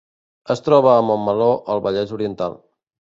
Es troba a Montmeló, al Vallès Oriental.